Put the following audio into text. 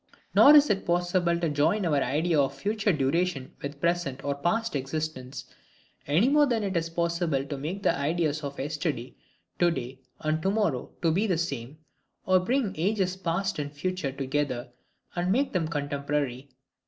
Nor is it possible to join our idea of future duration with present or past existence, any more than it is possible to make the ideas of yesterday, to day, and to morrow to be the same; or bring ages past and future together, and make them contemporary.